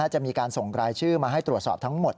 จะมีการส่งรายชื่อมาให้ตรวจสอบทั้งหมด